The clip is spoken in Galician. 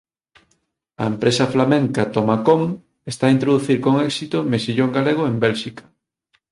A empresa flamenca TomaCom está a introducir con éxito mexillón galego en Bélxica.